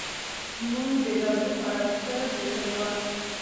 مونږ د روضې په اړه پوښتنه ترې کړې وه.